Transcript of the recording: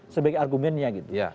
sebagai argumennya gitu